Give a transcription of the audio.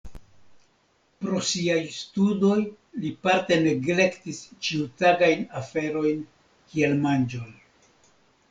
Pro siaj studoj li parte neglektis ĉiutagajn aferojn kiel manĝon.